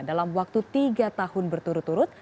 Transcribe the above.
dalam waktu tiga tahun berturut turut